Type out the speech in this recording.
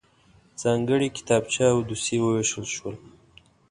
ځانګړی کتابچې او دوسيې وویشل شول.